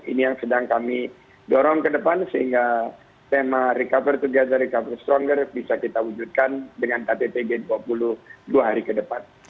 ini yang sedang kami dorong ke depan sehingga tema recover together recover stronger bisa kita wujudkan dengan ktt g dua puluh dua hari ke depan